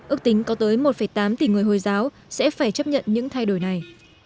ước tính có tới một tám tỷ người hồi giáo sẽ phải chấp nhận những thay đổi này